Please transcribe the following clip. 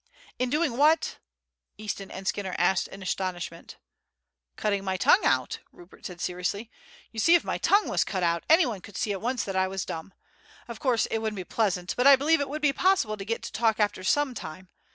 "In doing what?" Easton and Skinner asked in astonishment. "Cutting my tongue out," Rupert said seriously. "You see, if my tongue was cut out anyone could see at once that I was dumb. Of course it wouldn't be pleasant, but I believe it would be possible to get to talk after some time.